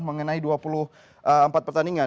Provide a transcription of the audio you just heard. mengenai dua puluh empat pertandingan